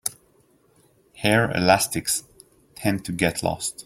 Hair elastics tend to get lost.